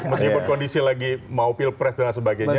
meskipun kondisi lagi mau pilpres dan lain sebagainya